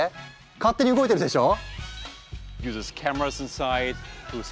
勝手に動いてるでしょ？